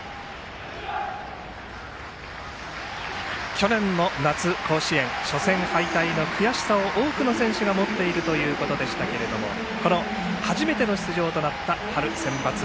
去年の夏甲子園初戦敗退の悔しさを多くの選手が持っているということでしたけれども初めての出場となった春センバツ。